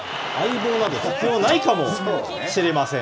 ないかもしれません。